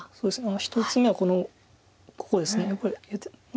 １つ目はこのここです。